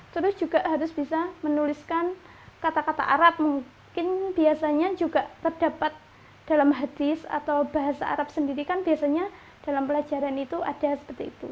terus juga harus bisa menuliskan kata kata arab mungkin biasanya juga terdapat dalam hadis atau bahasa arab sendiri kan biasanya dalam pelajaran itu ada seperti itu